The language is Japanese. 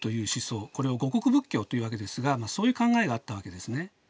これを護国仏教というわけですがそういう考えがあったわけですね。